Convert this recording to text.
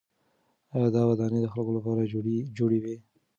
آیا دا ودانۍ د خلکو لپاره جوړې وې؟